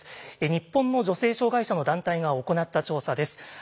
日本の女性障害者の団体が行った調査です。